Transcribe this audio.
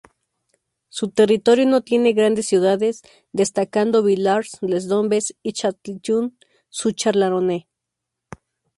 Su territorio no tiene grades ciudades, destacando Villars-les-Dombes y Châtillon-sur-Chalaronne.